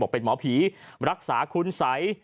เป็นหมอผีรักษาคุณสัย